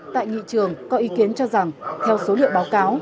tại nghị trường có ý kiến cho rằng theo số liệu báo cáo